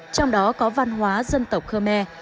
trong đó có văn hóa dân tộc khơ me